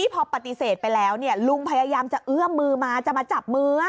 พอปฏิเสธไปแล้วลุงพยายามจะเอื้อมมือมาจะมาจับมือ